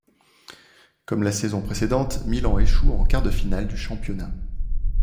Comme la saison précédente, Milan échoue en quart de finale du championnat.